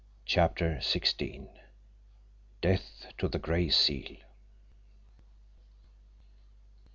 CHAPTER XVI "DEATH TO THE GRAY SEAL!"